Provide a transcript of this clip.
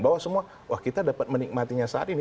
bahwa semua wah kita dapat menikmatinya saat ini